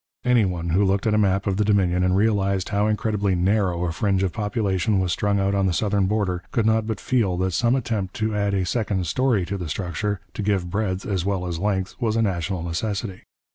Any one who looked at a map of the Dominion and realized how incredibly narrow a fringe of population was strung out on the southern border, could not but feel that some attempt to add a second storey to the structure, to give breadth as well as length, was a national necessity.